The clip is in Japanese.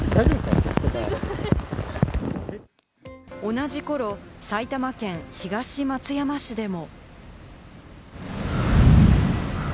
同じ頃、埼玉県東松山市でも。